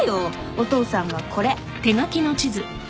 お父さんがこれ。